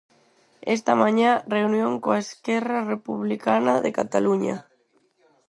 Esta mañá, reunión con Esquerra Republicana de Cataluña.